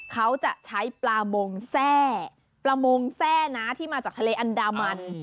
เขาจะใช้ปลามงแทร่ปลามงแทร่นะที่มาจากทะเลอันดามัน